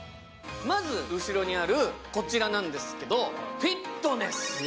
まず後ろにあるこちらなんですけど、フィットネス。